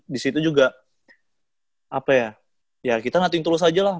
disitu juga apa ya ya kita nothing tool saja lah